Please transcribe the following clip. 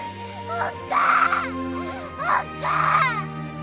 おっかあ！